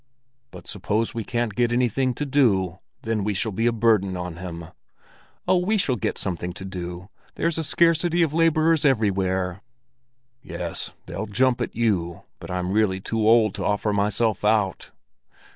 "But suppose we can't get anything to do, then we shall be a burden on him." "Oh, we shall get something to do. There's a scarcity of laborers everywhere." "Yes, they'll jump at you, but I'm really too old to offer myself out."